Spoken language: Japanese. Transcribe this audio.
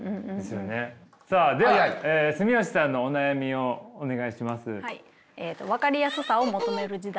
さあでは住吉さんのお悩みをお願いします。